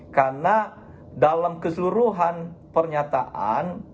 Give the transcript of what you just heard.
karena dalam keseluruhan pernyataan